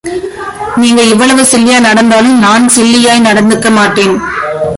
நீங்க இவ்வளவு சில்லியா நடந்தாலும், நான் சில்லியாய் நடந்துக்க மாட்டேன்.